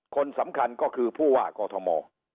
คนสำคัญก็คือผู้ว่ากอทม